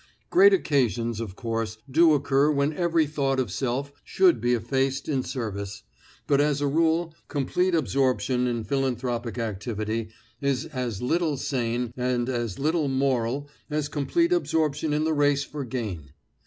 Great occasions, of course, do occur when every thought of self should be effaced in service; but as a rule, complete absorption in philanthropic activity is as little sane and as little moral as complete absorption in the race for gain.